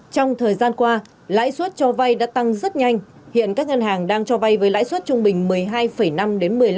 trong thời gian qua lãi suất cho vay đã tăng rất nhanh hiện các ngân hàng đang cho vay với lãi suất trung bình một mươi hai năm đến một mươi năm